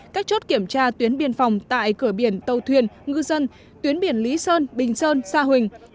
các chốt kiểm tra tuyến biên phòng tại cửa biển tàu thuyền ngư dân tuyến biển lý sơn bình sơn sa huỳnh